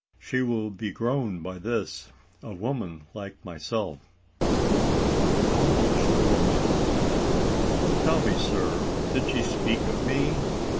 She will be grown by this? A woman like myself?" "Almost a woman." "Tell me, sir did she speak of me?